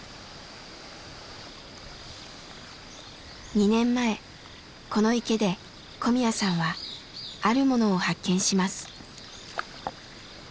２年前この池で小宮さんはあるものを発見します。